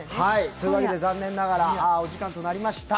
残念ながらお時間となりました。